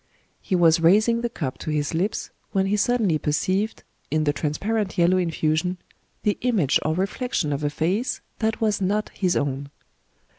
He was rais ing the cup to his lips when he suddenly perceived, in the transparent yellow infusion, the image or reflection of a face that was not his own.